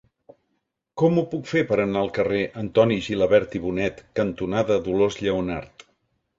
Com ho puc fer per anar al carrer Antoni Gilabert i Bonet cantonada Dolors Lleonart?